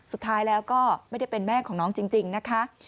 สุดท้ายแล้วก็ไม่ได้เป็นแม่ของน้องจริงนะคะ